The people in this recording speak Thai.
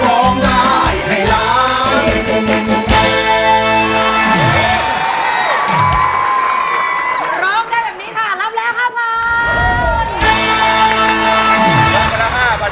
ร้องได้แบบนี้รับแล้วครับคลาน